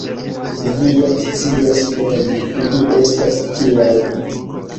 Vi ja scias mem, ili estas tiaj.